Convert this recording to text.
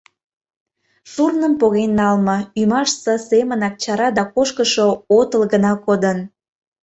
Шурным поген налме, ӱмашсе семынак чара да кошкышо отыл гына кодын.